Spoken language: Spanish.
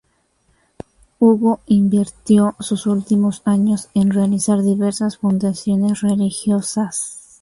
Hugo invirtió sus últimos años en realizar diversas fundaciones religiosas.